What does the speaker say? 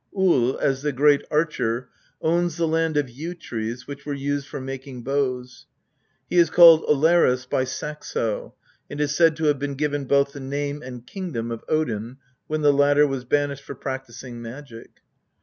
Ull, as the great archer, owns the land of yew trees which were used for making bows. He is called Ollerus by Saxo, and is said to have been given both the name and kingdom of Odin when the latter was banished for practising magic.